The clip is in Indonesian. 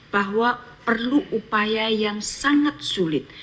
bahwa perlu upaya yang sangat sulit